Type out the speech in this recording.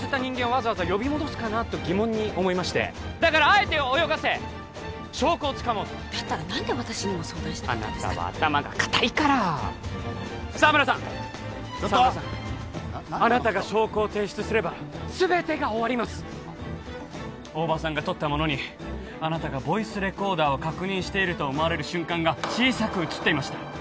わざわざ呼び戻すかなと疑問に思いましてだからあえて泳がせ証拠をつかもうとだったら何で私にも相談しないあなたは頭が固いから沢村さんあなたが証拠を提出すれば全てが終わります大庭さんが撮ったものにあなたがボイスレコーダーを確認していると思われる瞬間が小さく写っていました